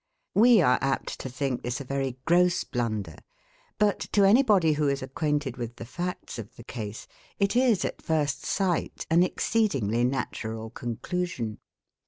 We are apt to think this a very gross blunder; but, to anybody who is acquainted with the facts of the case, it is, at first sight, an exceedingly natural conclusion.